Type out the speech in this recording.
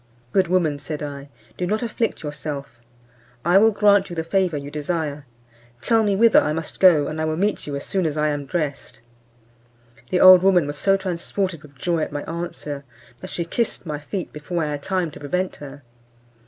"Good woman," said I, "do not afflict yourself, I will grant you the favour you desire; tell me whither I must go, and I will meet you as soon as I am dressed." The old woman was so transported with joy at my answer, that she kissed my feet before I had time to prevent her.